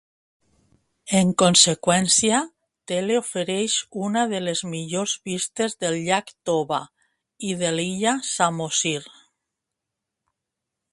En conseqüència, Tele ofereix una de les millors vistes del llac Toba i de l'illa Samosir.